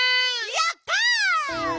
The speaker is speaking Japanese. やった！